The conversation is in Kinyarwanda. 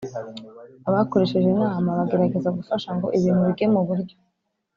bakoresheje inama bagerageza gufasha ngo ibintu bige mu buryo